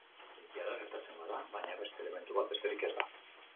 Egia da, gertatzen da, baina beste elementu bat besterik ez da.